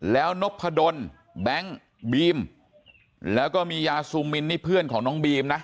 แล้วนพดลแบงค์บีมแล้วก็มียาซูมินนี่เพื่อนของน้องบีมนะ